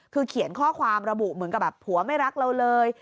คือเขียนข้อความระบุเหมือนกับแบบผัวไม่รักเราเลย